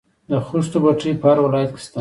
د خښتو بټۍ په هر ولایت کې شته